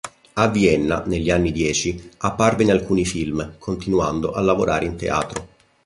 A Vienna, negli anni dieci apparve in alcuni film, continuando a lavorare in teatro.